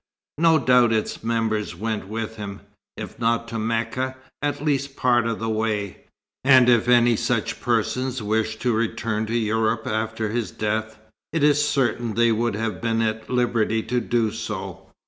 "No doubt its members went with him, if not to Mecca, at least a part of the way, and if any such persons wished to return to Europe after his death, it is certain they would have been at liberty to do so.